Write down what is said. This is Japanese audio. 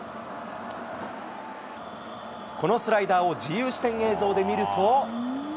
このスライダーを自由視点映像で見ると。